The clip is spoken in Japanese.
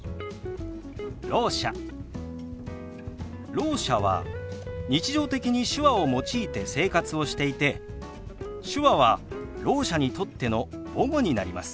ろう者は日常的に手話を用いて生活をしていて手話はろう者にとっての母語になります。